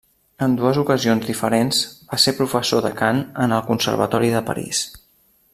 En dues ocasions diferents va ser professor de cant en el Conservatori de París.